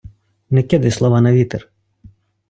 Не кидай слова на вітер.